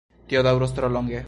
Tio daŭros tro longe!